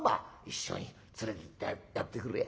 一緒に連れてってやってくれ。